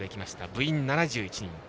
部員７１人。